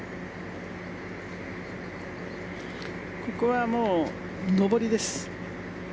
ここは上りです。